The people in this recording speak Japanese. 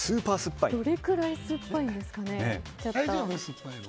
どれくらい酸っぱいんですかね。